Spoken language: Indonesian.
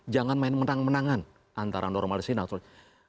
jangan main menang menangan antara normalisasi dan sebagainya